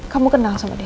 kamu kenal sama dia